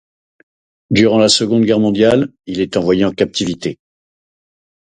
Durant la Seconde Guerre mondiale il est envoyé en captivité.